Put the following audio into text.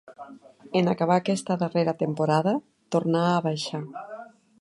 En acabar aquesta darrera temporada tornà a baixar.